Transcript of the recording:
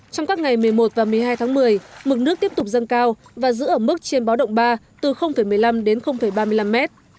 trong các ngày một mươi một và một mươi hai tháng một mươi mực nước tiếp tục dâng cao và giữ ở mức trên báo động ba từ một mươi năm đến ba mươi năm mét